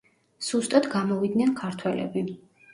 სუსტად გამოვიდნენ ქართველები.